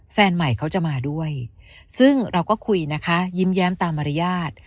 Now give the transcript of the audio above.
แฟนใหม่เขาจะมาด้วยซึ่งเราก็คุยนะคะยิ้มแย้มตามมารยาท